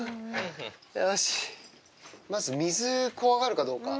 まず水、怖がるかどうか。